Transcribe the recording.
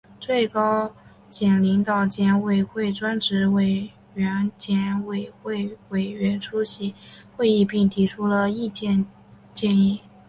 最高检领导、检委会专职委员、检委会委员出席会议并提出意见建议